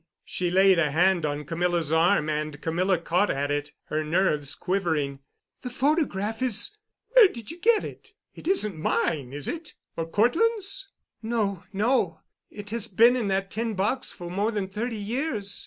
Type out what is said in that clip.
She laid a hand on Camilla's arm, and Camilla caught at it, her nerves quivering. "The photograph is——" "Where did you get it? It isn't mine, is it? or Cortland's?" "No, no. It has been in that tin box for more than thirty years.